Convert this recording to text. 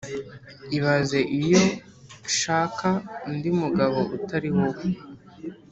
ibaze iyo shaka undi mugabo utari wowe